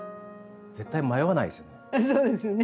絶対迷わないですよね。